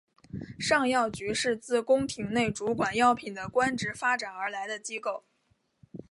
尚药局是自宫廷内主管药品的官职发展而来的机构。